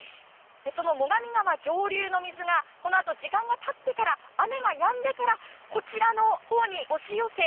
その最上川上流の水がこのあと時間がたってから雨がやんでからこちらのほうに押し寄せ